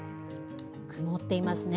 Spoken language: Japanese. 曇っていますね。